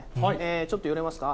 ちょっと寄れますか？